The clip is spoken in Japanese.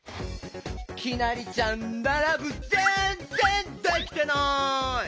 きなりちゃんならぶぜんぜんできてない！